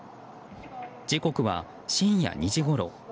時刻は深夜２時ごろ。